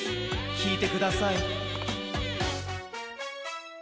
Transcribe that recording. きいてください。